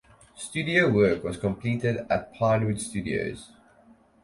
Studio work was completed at Pinewood Studios.